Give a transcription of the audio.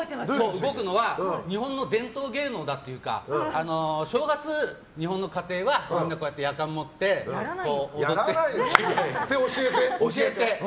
日本の伝統芸能だっていうか正月、日本の家庭はみんな、こうやってやかんを持って。って教えて？